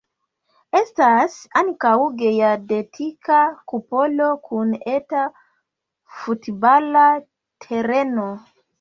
Estas ankaŭ geodetika kupolo kun eta futbala tereno.